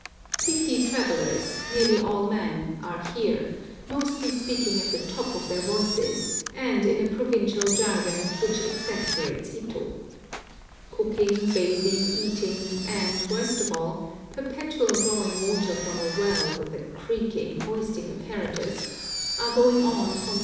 Fifty travellers, nearly all men, are here, mostly speaking at the top of their voices, and in a provincial jargon which exasperates Ito. Cooking, bathing, eating, and, worst of all, perpetual drawing water from a well with a creaking hoisting apparatus, are going on from 4.